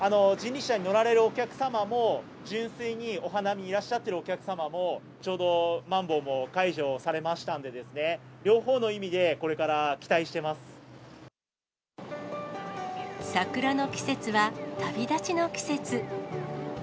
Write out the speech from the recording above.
人力車に乗られるお客様も、純粋にお花見いらっしゃってるお客様も、ちょうどまん防も解除されましたんでね、両方の意味でこれから期桜の季節は、旅立ちの季節。